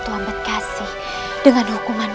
aku bukan seorang pengejuan